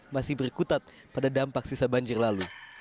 masih berkutat pada dampak sisa banjir lalu